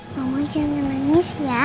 mama jangan nangis ya